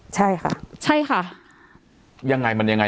ใช่ค่ะใช่ค่ะยังไงมันยังไง